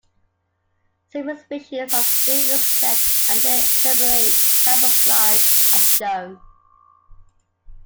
Several species of stick insect and their elaborate camouflage are shown.